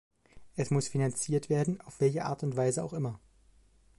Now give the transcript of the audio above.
Es muss finanziert werden, auf welche Art und Weise auch immer.